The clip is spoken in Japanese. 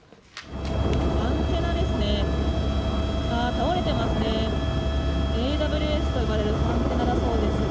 アンテナですね。